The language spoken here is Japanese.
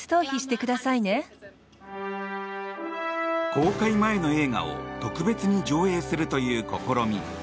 公開前の映画を特別に上映するという試み。